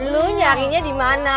lu nyarinya dimana